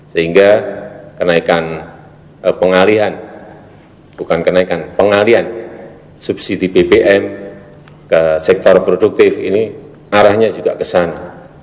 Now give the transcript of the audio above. sehingga kenaikan pengalihan bukan kenaikan pengalian subsidi bbm ke sektor produktif ini arahnya juga ke sana